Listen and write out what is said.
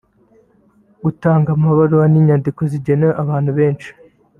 gutanga amabaruwa n’inyandiko zigenewe abantu benshi